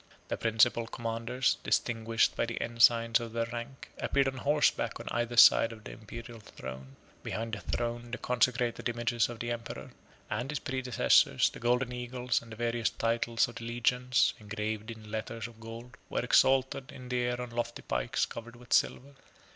The principal commanders, distinguished by the ensigns of their rank, appeared on horseback on either side of the Imperial throne. Behind the throne the consecrated images of the emperor, and his predecessors, 29 the golden eagles, and the various titles of the legions, engraved in letters of gold, were exalted in the air on lofty pikes covered with silver.